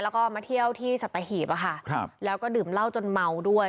แล้วก็มาเที่ยวที่สัตหีบแล้วก็ดื่มเหล้าจนเมาด้วย